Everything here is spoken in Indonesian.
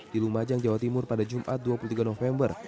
di lumajang jawa timur pada jumat dua puluh tiga november